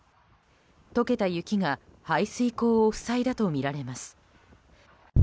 解けた雪が排水溝を塞いだとみられます。